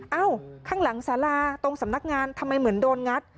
เอ้าข้างหลังสาราตรงสำนักงานทำไมเหมือนโดนงัด